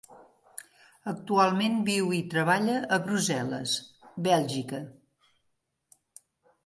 Actualment viu i treballa a Brussel·les, Bèlgica.